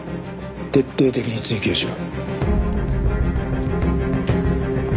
徹底的に追及しろ。